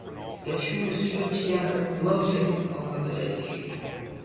The two stood together gloating over the dish.